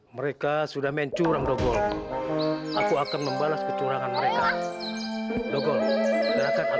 mereka sudah mencurang dogon aku akan membalas kecurangan mereka